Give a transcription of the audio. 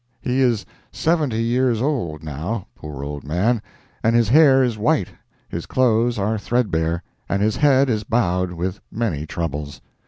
He is seventy years old, now, poor old man, and his hair is white, his clothes are threadbare, and his head is bowed with many troubles.